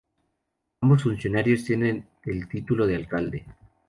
Ambos funcionarios tienen el título de Alcalde.